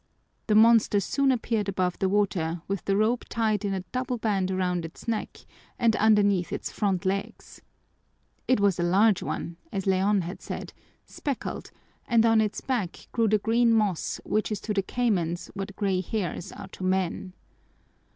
The monster soon appeared above the water with the rope tied in a double band around its neck and underneath its front legs. It was a large one, as Leon had said, speckled, and on its back grew the green moss which is to the caymans what gray hairs are to men.